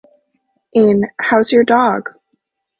In How's Your Dog?